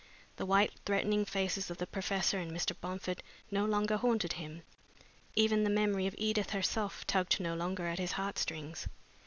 The white, threatening faces of the professor and Mr. Bomford no longer haunted him. Even the memory of Edith herself tugged no longer at his heartstrings.